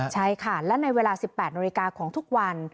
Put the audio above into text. ใช่ค่ะและในเวลา๑๘นาฬิกาของทุกวัน